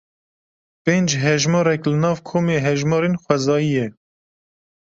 Pênc hejmarek li nav komê hejmarên xwezayî ye.